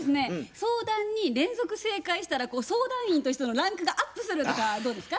相談に連続正解したら相談員としてのランクがアップするとかどうですか？